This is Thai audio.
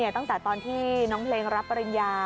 ตั้งแต่ตอนที่น้องเพลงรับปริญญา